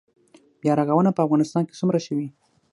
بیا رغونه په افغانستان کې څومره شوې؟